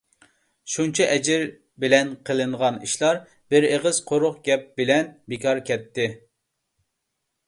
شۇنچە ئەجرى بىلەن قىلىنغان ئىشلار بىر ئېغىز قۇرۇق گەپ بىلەن بىكار كەتتى.